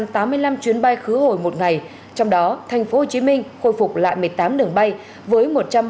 tổng số các đường bay khứ hồi một ngày trong đó tp hcm khôi phục lại một mươi tám đường bay với một trăm ba mươi hai